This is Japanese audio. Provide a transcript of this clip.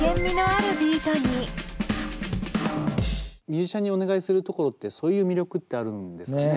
ミュージシャンにお願いするところってそういう魅力ってあるんですかね？